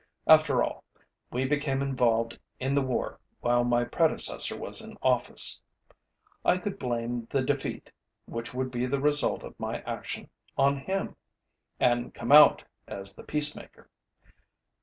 After all, we became involved in the war while my predecessor was in office. I could blame the defeat, which would be the result of my action, on him and come out as the peacemaker.